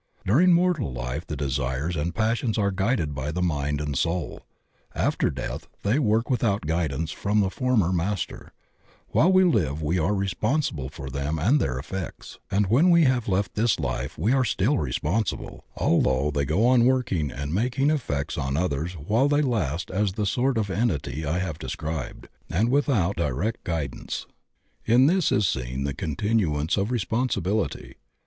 During mortal life the desires and passions are guided by the mind and soul; after death they work without guidance from the former master; while we live we are responsible for them and their effects, and when we have left this life we are still responsible, although they go on working and making effects on others while they last as the sort of entity I have de scribed, and without our direct guidance. In this is seen the continuance of responsibility.